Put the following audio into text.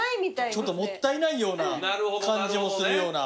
ちょっともったいないような感じもするような。